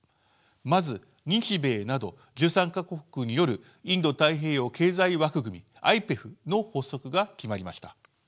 まず日米など１３か国によるインド太平洋経済枠組みＩＰＥＦの発足が決まりました。